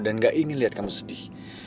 gak ingin lihat kamu sedih